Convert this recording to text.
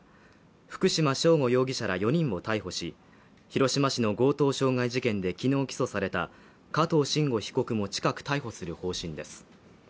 福島聖悟容疑者ら４人を逮捕し、広島市の強盗傷害事件で昨日起訴された加藤臣吾被告も近く逮捕する方針です。